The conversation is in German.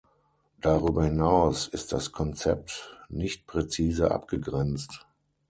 Darüber hinaus ist das Konzept nicht präzise abgegrenzt.